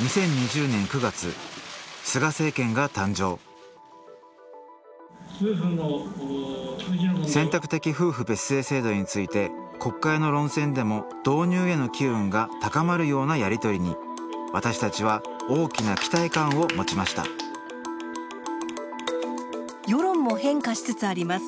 ２０２０年９月菅政権が誕生選択的夫婦別姓制度について国会の論戦でも導入への機運が高まるようなやり取りに私たちは大きな期待感を持ちました世論も変化しつつあります。